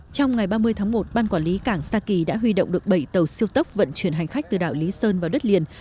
trong ngày ba mươi tháng một ban quản lý cảng sa kỳ đã huy động được bảy tàu siêu tốc vận chuyển hành khách từ đảo lý sơn vào đất liền